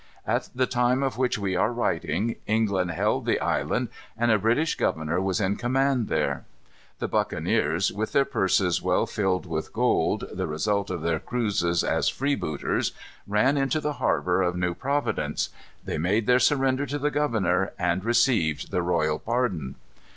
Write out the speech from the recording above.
At the time of which we are writing, England held the island, and a British governor was in command there. The buccaneers, with their purses well filled with gold, the result of their cruises as freebooters, ran into the harbor of New Providence. They made their surrender to the governor, and received the royal pardon.